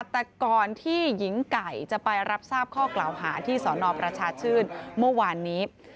แต่ก่อนที่หญิงไก่จะไปรับทราบข้อกล่าวหาที่สนประชาชื่นเมื่อวานนี้